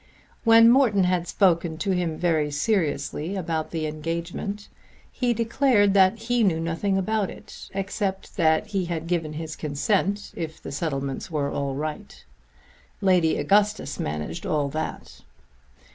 When Morton had spoken to him very seriously about the engagement he declared that he knew nothing about it, except that he had given his consent if the settlements were all right. Lady Augustus managed all that.